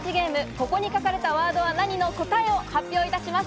「ここに書かれたワードは何？」の答えを発表いたします。